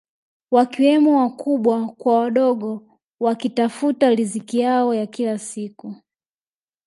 Wakiwemo wakubwa kwa wadogo wakitafuta riziki yao ya kila siku